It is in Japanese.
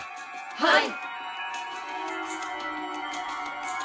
はい！